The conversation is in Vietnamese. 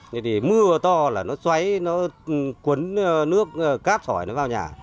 thế thì mưa to là nó xoáy nó cuốn nước cáp sỏi nó vào nhà